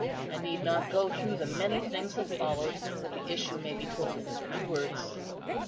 I need not go through the many things that followed, but the issue may be told in few words.